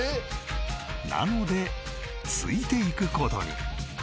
なのでついていく事に